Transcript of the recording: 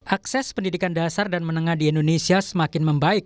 akses pendidikan dasar dan menengah di indonesia semakin membaik